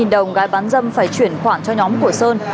một trăm năm mươi đồng gái bán dâm phải chuyển khoản cho nhóm của sơn